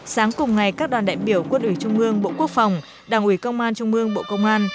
sáng cùng ngày các đoàn đại biểu quốc ủy trung mương bộ quốc phòng đảng ủy công an trung mương bộ công an